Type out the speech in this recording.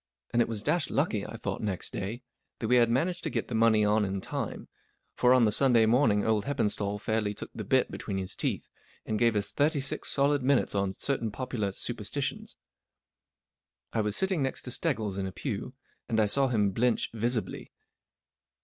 And it was dashed lucky, I thought next day, that we had managed to get the money on in time, for on the Sunday morning old Heppenstali fairly took the bit between his teeth, and gave us thirty six solid minutes on Certain Popular Superstitions. I was sitting next to Steggles in the pew, and I saw him blench visibly.